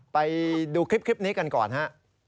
ไปดูคลิปนี้กันก่อนฮะ